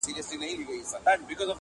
له هيبته به يې تښتېدل پوځونه!!